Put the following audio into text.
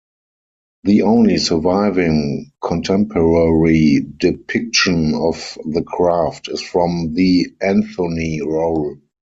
The only surviving contemporary depiction of the craft is from the Anthony Roll.